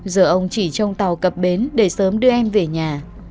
giờ ông chỉ trong tàu cập bến để sớm đưa em về nhà